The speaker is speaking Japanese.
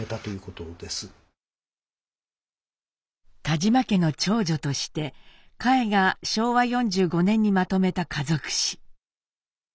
田嶋家の長女として佳惠が昭和４５年にまとめた家族史。